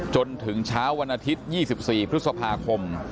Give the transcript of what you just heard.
จนถึงเช้าวันอาทิตยี่สิบสี่พฤษภาคม